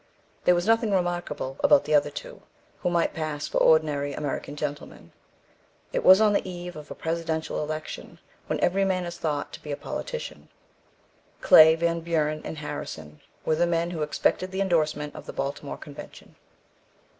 There was nothing remarkable about the other two, who might pass for ordinary American gentlemen. It was on the eve of a presidential election, when every man is thought to be a politician. Clay, Van Buren, and Harrison were the men who expected the indorsement of the Baltimore Convention.